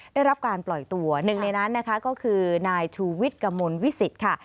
ได้รับการปล่อยตัวหนึ่งในนั้นนะคะก็คือนายชูวิทย์กระมวลวิสิตค่ะ